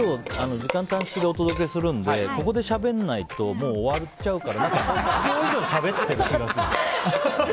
時間短縮でお届けするのでここでしゃべらないともう終わっちゃうからいつも以上にしゃべってる気がする。